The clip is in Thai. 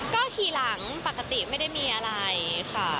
ก็ขี่หลังปกติไม่ได้มีอะไรค่ะ